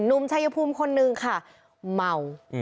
หนุ่มชายภูมิคนนึงค่ะเมา